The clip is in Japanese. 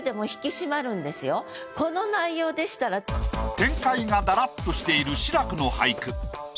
展開がダラッとしている志らくの俳句。